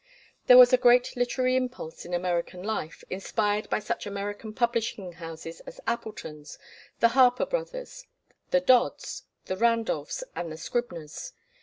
There was a great literary impulse in American life, inspired by such American publishing houses as Appleton's, the Harper Bros., the Dodds, the Randolphs, and the Scribners.